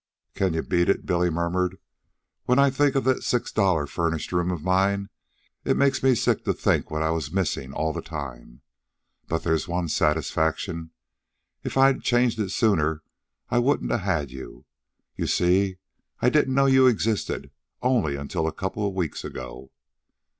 "Can you beat it?" Billy murmured. "When I think of that six dollar furnished room of mine, it makes me sick to think what I was missin' all the time. But there's one satisfaction. If I'd changed it sooner I wouldn't a had you. You see, I didn't know you existed only until a couple of weeks ago."